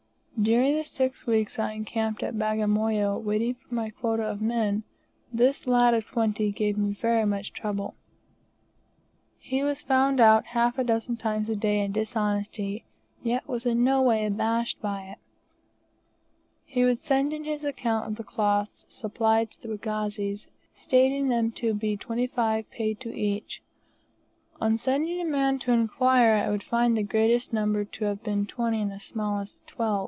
During the six weeks I encamped at Bagamoyo, waiting for my quota of men, this lad of twenty gave me very much trouble. He was found out half a dozen times a day in dishonesty, yet was in no way abashed by it. He would send in his account of the cloths supplied to the pagazis, stating them to be 25 paid to each; on sending a man to inquire I would find the greatest number to have been 20, and the smallest 12.